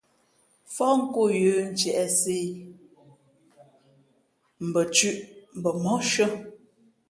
Fóh nkō yə̌ ntiēʼsē, mbα thʉ̄ʼ mbα móhshʉ̄ᾱ.